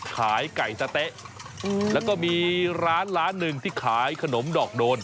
ขายไก่สะเต๊ะแล้วก็มีร้านร้านหนึ่งที่ขายขนมดอกโดน